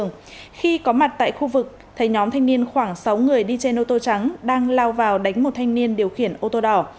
nhóm thanh niên khoảng sáu người đi trên ô tô trắng đang lao vào đánh một thanh niên điều khiển ô tô đỏ